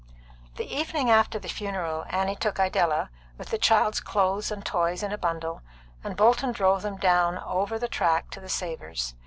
The evening after the funeral Annie took Idella, with the child's clothes and toys in a bundle, and Bolton drove them down Over the Track to the Savors'.